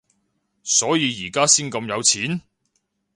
所以而家先咁有錢？